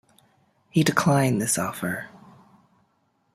He declined this offer.